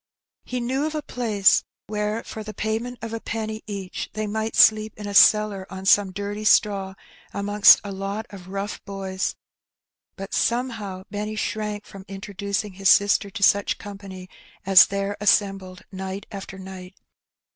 He knew of a place where for the payment of a penny each they might sleep in a cellar on some dirty straw amongst a lot of rough boys. But somehow Benny shrank from introducing his sister to such company as there assembled night after night.